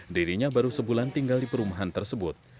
dirinya baru sebulan tinggal di perumahan tersebut